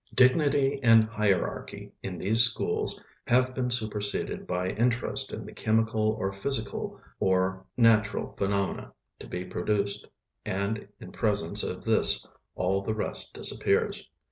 Dignity and hierarchy in these schools have been superseded by interest in the chemical or physical or natural phenomena to be produced; and in presence of this all the rest disappears.